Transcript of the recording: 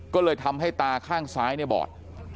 ก็เลยทำให้ตาข้างซ้ายเนี่ยบอด